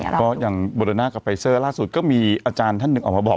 คือแบบโบราณนาคมกับไพเซอร์ล่าสุดก็มีอาจารย์ท่านนึกออกมาบอก